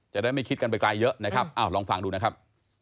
จะได้ไม่คิดกันไปไกลเยอะนะครับลองฟังดูนะครับ